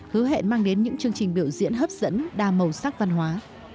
hứa hẹn mang đến những chương trình biểu diễn hấp dẫn đa màu sắc văn hóa